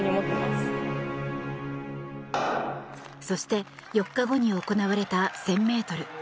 そして、４日後に行われた１０００ｍ。